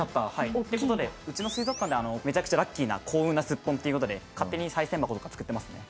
という事でうちの水族館ではめちゃくちゃラッキーな幸運なスッポンという事で勝手に賽銭箱とか作ってますね。